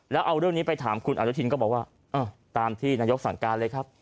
แล้วเอาเรื่องนี้ไปถามคุณอนุทินก็บอกว่าตามที่นายกสั่งการเลยครับ